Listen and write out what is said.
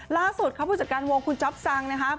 ล่าสุดครับผู้จัดการวงคุณจ๊อปซังนะครับ